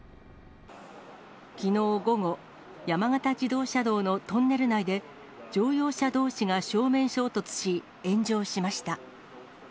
きのう午後、山形自動車道のトンネル内で、乗用車どうしが正面衝突し、炎上しました。